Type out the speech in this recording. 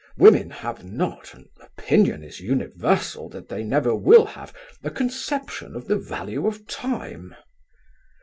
Women have not, and opinion is universal that they never will have, a conception of the value of time."